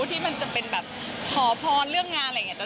ที่มันจะเป็นแบบขอพรเรื่องงานอะไรอย่างนี้